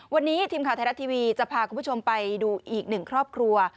วันนี้ทีมข่าวไทยรัฐทีวีจะพาคุณผู้ชมไปดูอีกหนึ่งครอบครัว